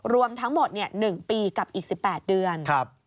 รวมทั้งหมด๑ปีกับอีก๑๘เดือน